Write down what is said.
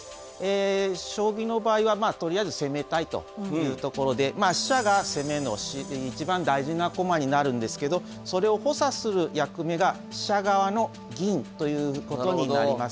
将棋の場合はとりあえず攻めたいというところで飛車が攻めの一番大事な駒になるんですけどそれを補佐する役目が飛車側の銀ということになります。